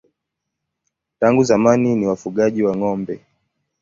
Tangu zamani ni wafugaji wa ng'ombe.